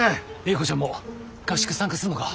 英子ちゃんも合宿参加するのか？